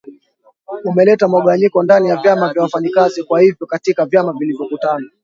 umeleta mugawanyiko ndani ya vyama vya wafanyikazi kwa hivyo katika vyama vilivyokutana